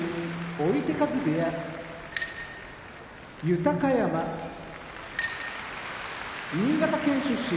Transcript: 追手風部屋豊山新潟県出身